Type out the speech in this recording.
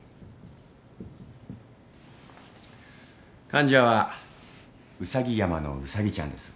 患者はウサギ山のウサギちゃんです。